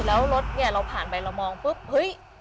แล้วรถเนี่ยเราผ่านไปเรามองปุ๊บเฮ้ย